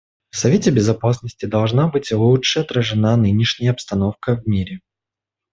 В Совете Безопасности должна быть лучше отражена нынешняя обстановка в мире.